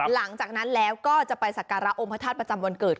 หลังจากนั้นแล้วก็จะไปสักการะองค์พระธาตุประจำวันเกิด